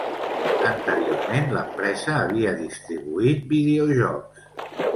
Anteriorment, l'empresa havia distribuït videojocs.